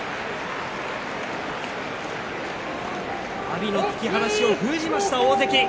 阿炎の突き放しを封じました大関。